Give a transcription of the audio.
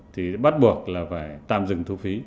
thì bắt buộc là phải tạm dừng thu phí